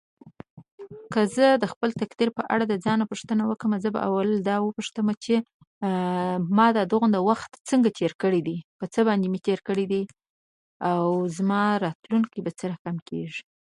کله چې د امریکا ولسمشر يو فرمان لاسليکوي نو د کانګرس ټاکنې ته اړتيا ده